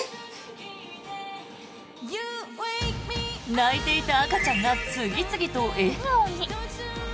泣いていた赤ちゃんが次々と笑顔に。